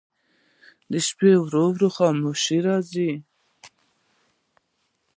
د شپې ورو ورو خاموشي راځي.